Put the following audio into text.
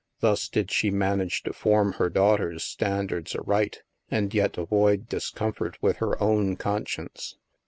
Thus did she manage to form her daughters' standards aright, sgtid yet avoid discomfort with her own con science.